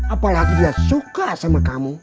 apalagi dia suka sama kamu